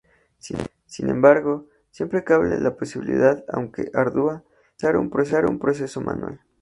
Sin embargo, siempre cabe la posibilidad, aunque ardua, de realizar un procesado manual.